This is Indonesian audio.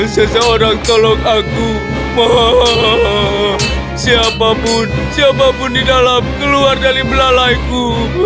seseorang tolong aku siapa pun siapa pun di dalam keluar dari belalaiku